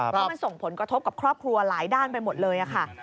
เพราะมันส่งผลกระทบกับครอบครัวหลายด้านไปหมดเลยค่ะ